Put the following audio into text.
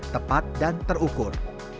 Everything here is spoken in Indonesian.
tepat dan terukur